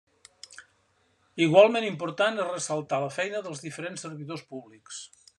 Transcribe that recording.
Igualment important és ressaltar la feina dels diferents servidors públics.